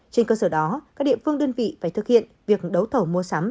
trên cơ sở đó các địa phương đơn vị phải thực hiện việc đấu thầu mua sắm